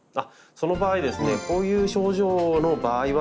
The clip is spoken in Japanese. その場合ですねこういう症状の場合はですね